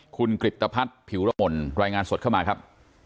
คุณกริตภัทรผิวระมนรายงานสดเข้ามาครับ